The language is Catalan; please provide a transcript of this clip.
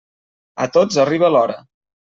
A tots arriba l'hora.